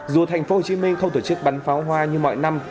dù tp hcm không tổ chức bắn pháo hoa như mọi năm